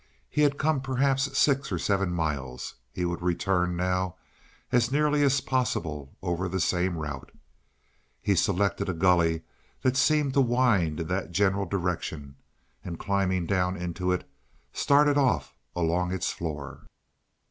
He had come perhaps six or seven miles; he would return now as nearly as possible over the same route. He selected a gully that seemed to wind in that general direction, and climbing down into it, started off along its floor.